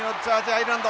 アイルランド。